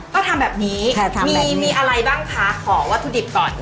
ก็ทำแบบนี้มีอะไรบ้างคะขอวัตถุดิบก่อน